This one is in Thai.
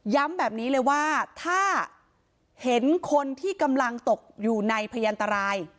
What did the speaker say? แบบนี้เลยว่าถ้าเห็นคนที่กำลังตกอยู่ในพยันตราย